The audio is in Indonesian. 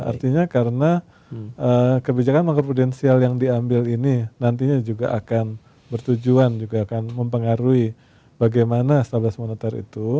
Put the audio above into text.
artinya karena kebijakan mark prudensial yang diambil ini nantinya juga akan bertujuan juga akan mempengaruhi bagaimana stabilitas moneter itu